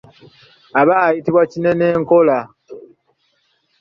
Aba ayitibwa kinenenkola.